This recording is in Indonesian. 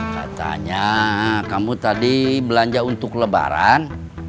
katanya kamu tadi belanja untuk lebaran